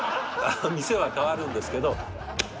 店は変わるんですけど。